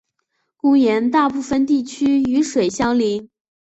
公园大部分地区与水相邻。